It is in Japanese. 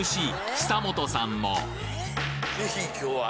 久本さんも！